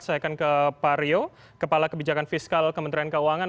saya akan ke pak rio kepala kebijakan fiskal kementerian keuangan